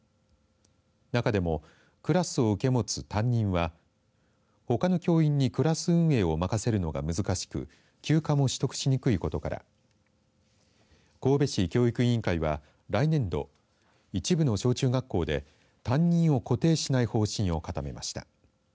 中でも、クラスを受け持つ担任はほかの教員にクラス運営を任せるのが難しく休暇も取得しにくいことから神戸市教育委員会は、来年度一部の小中学校で担任を固定しない方針を固めました。